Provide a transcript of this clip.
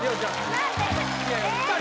何で？